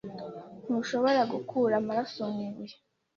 Ntushobora gukura amaraso mu ibuye.